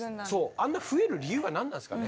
あんな増える理由は何なんですかね？